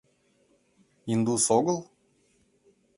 — Индус огыл?